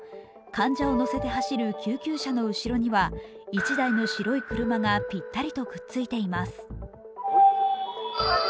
患者を乗せて走る救急車の後ろには１台の白い車がぴったりとくっついています。